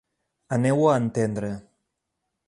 Aneu-ho a entendre!